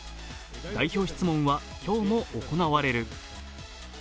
代表質問は今日も行われる。